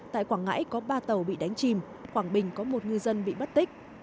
tại quảng ngãi có ba tàu bị đánh chìm quảng bình có một ngư dân bị mất tích